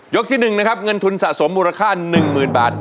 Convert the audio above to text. ยกที่หนึ่งนะครับเงินทุนสะสมมูลค่าหนึ่งหมื่นบาท